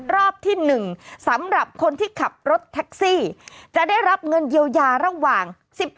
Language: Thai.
รอบที่๑สำหรับคนที่ขับรถแท็กซี่จะได้รับเงินเยียวยาระหว่าง๑๑